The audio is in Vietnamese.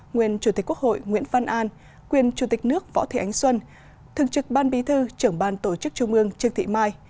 nguyên chủ tịch quốc hội nguyễn phan an nguyên chủ tịch nước võ thị ánh xuân thường trực ban bí thư trưởng ban tổ chức trung ương trương thị mai